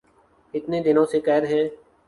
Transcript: اتنے دنوں سے قید ہیں